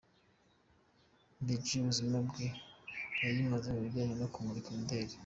Paji y’ubuzima bwe yayimaze mu bijyanye no kumurika imideli.